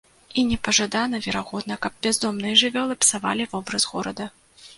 І непажадана, верагодна, каб бяздомныя жывёлы псавалі вобраз горада.